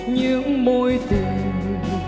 những môi tình